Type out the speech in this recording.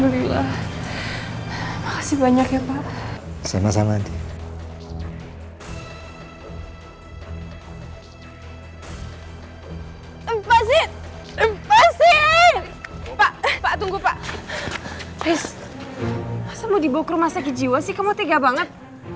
riz masa mau dibukur masak jiwa sih kamu tega banget